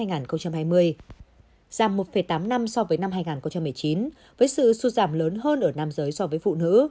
giảm một tám năm so với năm hai nghìn một mươi chín với sự sụt giảm lớn hơn ở nam giới so với phụ nữ